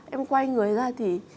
em quay người ra thì